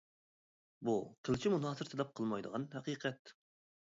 بۇ قىلچە مۇنازىرە تەلەپ قىلمايدىغان ھەقىقەت.